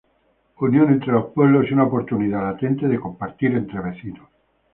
Unión entre los pueblos y una oportunidad latente de compartir entre vecinos.